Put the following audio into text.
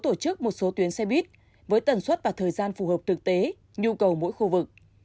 từ ngày năm một mươi thành phố tổ chức một số tuyến xe buýt với tần suất và thời gian phù hợp thực tế nhu cầu mỗi khu vực